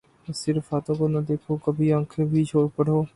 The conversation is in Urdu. صرف ہاتھوں کو نہ دیکھو کبھی آنکھیں بھی پڑھو